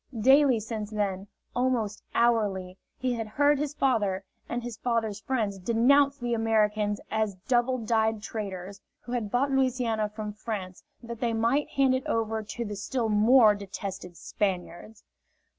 Daily since then, almost hourly, he had heard his father and his father's friends denounce the Americans as double dyed traitors, who had bought Louisiana from France that they might hand it over to the still more detested Spaniards.